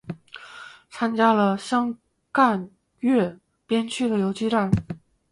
参加了湘鄂赣边区的游击战。